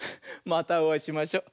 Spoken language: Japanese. またおあいしましょ。